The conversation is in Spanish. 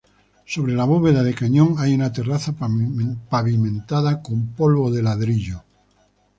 Sobre la bóveda de cañón hay una terraza pavimentada con polvo de ladrillo.